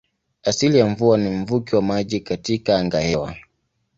Asili ya mvua ni mvuke wa maji katika angahewa.